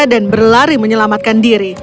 dan berlari menyelamatkan diri